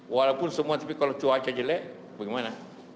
walaupun semua tapi kalau cuaca jelek bagaimana